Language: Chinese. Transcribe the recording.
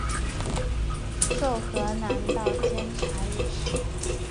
授河南道监察御史。